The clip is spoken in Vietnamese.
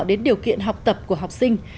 đến điều kiện học tập của học sinh